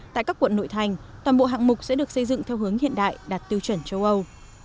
tại các quận nội thành toàn bộ hạng mục sẽ được xây dựng theo hướng hiện đại đạt tiêu chuẩn châu âu